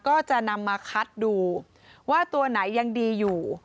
ก็จะนำมาคัดดูว่าตัวไหนยังดีอยู่